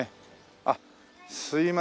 あっすいません。